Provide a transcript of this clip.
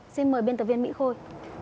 xin mời biên tập viên mỹ khôi